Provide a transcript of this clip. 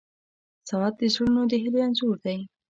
• ساعت د زړونو د هیلې انځور دی.